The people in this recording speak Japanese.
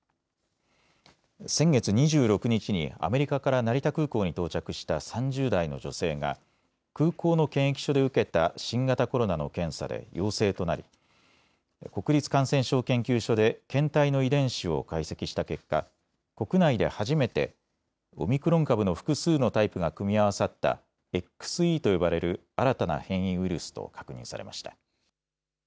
先月２６日にアメリカから成田空港に到着した３０代の女性が空港の検疫所で受けた新型コロナの検査で陽性となり国立感染症研究所で検体の遺伝子を解析した結果、国内で初めてオミクロン株の複数のタイプが組み合わさったＸＥと呼ばれる新たな変異ウイルスと確認されました。